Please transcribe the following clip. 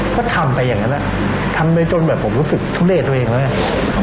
ก็ทำไปอย่างนั้นทำไปจนแบบผมรู้สึกทุเลตัวเองแล้วไง